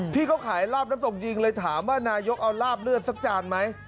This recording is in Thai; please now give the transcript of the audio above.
พี่เขาขายลาบน้ำตกยิงเลยถามว่านายกเอาลาบเลือดสักจานไหม